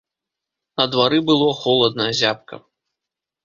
На двары было холадна, зябка.